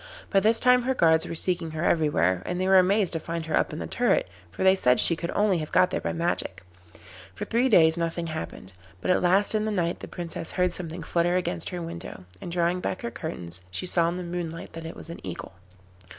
By this time her guards were seeking her everywhere, and they were amazed to find her up in the turret, for they said she could only have got there by magic. For three days nothing happened, but at last in the night the Princess heard something flutter against her window, and drawing back her curtains she saw in the moonlight that it was an Eagle.